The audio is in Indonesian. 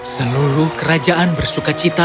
seluruh kerajaan bersuka cita